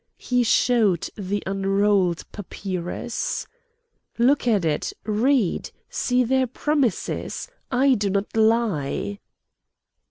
He showed the unrolled papyrus: "Look at it! read! see their promises! I do not lie."